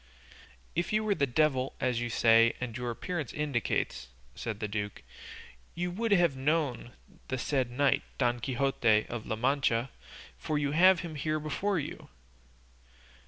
"If you were the devil, as you say and as your appearance indicates," said the duke, "you would have known the said knight Don Quixote of La Mancha, for you have him here before you."